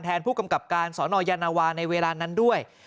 ผู้กำกับการสนยานวาในเวลานั้นด้วย